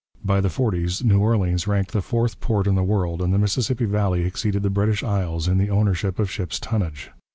By the forties New Orleans ranked the fourth port in the world and the Mississippi valley exceeded the British Isles in the ownership of ships' tonnage.